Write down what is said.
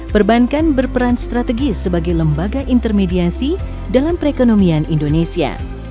perbankan berperan strategis sebagai lembaga intermediasi dalam perekonomian indonesia